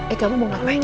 eh kamu mau ngapain